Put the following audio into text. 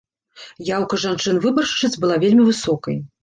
Яўка жанчын-выбаршчыц была вельмі высокай.